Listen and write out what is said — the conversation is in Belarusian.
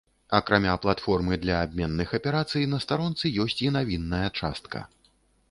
Акрамя платформы для абменных аперацый, на старонцы ёсць і навінная частка.